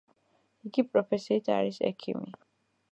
იგი პროფესიით არის ექიმი.